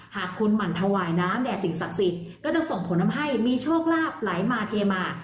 หากคุณหมั่นถวายน้ำแด่สิ่งศักดิ์สิทธิ์ก็จะส่งผลทำให้มีโชคลาภไหลมาเทมา